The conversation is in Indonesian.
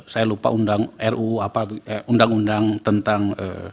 saya lupa undang ruu apa undang undang tentang